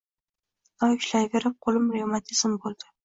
Loy ushlayverib qoʻlim revmatizm boʻldi.